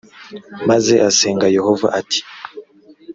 maze asenga yehova ati